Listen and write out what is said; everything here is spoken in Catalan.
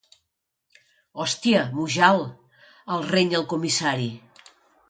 Hòstia, Mujal —el renya el comissari—.